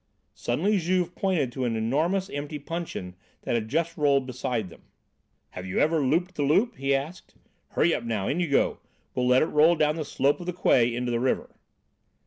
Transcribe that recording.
Suddenly Juve pointed to an enormous empty puncheon that had just rolled beside them. "Have you ever looped the loop?" he asked. "Hurry up now; in you go; we'll let it roll down the slope of the quay into the river."